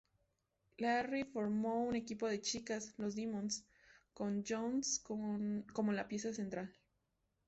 Leary formó un equipo de chicas, los Demons, con Jones como la pieza central.